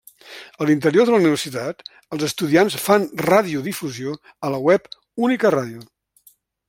A l'interior de la universitat els estudiants fan radiodifusió a la web Única Ràdio.